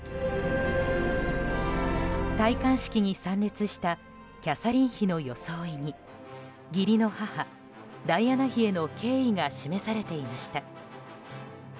戴冠式に参列したキャサリン妃の装いに義理の母・ダイアナ妃への敬意が示されていました。